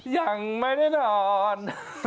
ยังไม่ได้นอน